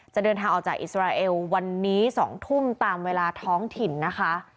จะเดินทางออกจากอิสราเอลวันนี้๒ทุ่มตามเวลาท้องถิ่นนะคะ